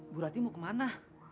bu rati mau kemana